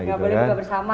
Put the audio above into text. nggak boleh buka bersama